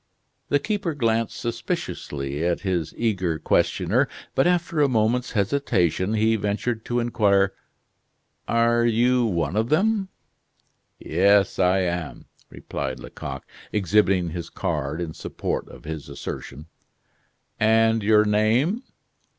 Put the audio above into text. The keeper glanced suspiciously at his eager questioner, but after a moment's hesitation, he ventured to inquire: "Are you one of them?" "Yes, I am," replied Lecoq, exhibiting his card in support of his assertion. "And your name?"